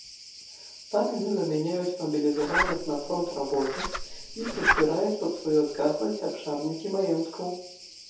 Там яны замяняюць мабілізаваных на фронт рабочых, іх разбіраюць пад сваю адказнасць абшарнікі маёнткаў.